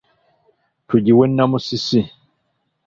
Tugiwe Namusisi.